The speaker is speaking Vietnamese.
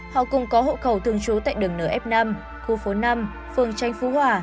họ cùng có hộ cầu thương chú tại đường nở f năm khu phố năm phường tranh phú hỏa